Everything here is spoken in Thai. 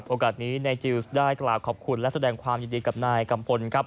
โอกาสนี้นายจิลส์ได้กล่าวขอบคุณและแสดงความยินดีกับนายกัมพลครับ